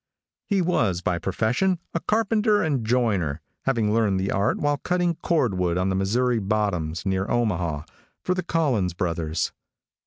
He was, by profession, a carpenter and joiner, having learned the art while cutting cordwood on the Missouri bottoms, near Omaha, for the Collins Brothers.